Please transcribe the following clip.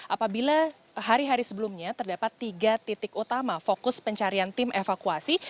apabila hari hari sebelumnya terdapat tiga titik utama fokus pencarian tim evakuasi